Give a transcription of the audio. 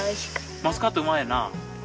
マスカットうまいよな？